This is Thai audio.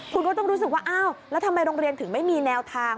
คุณก็ต้องรู้สึกว่าอ้าวแล้วทำไมโรงเรียนถึงไม่มีแนวทาง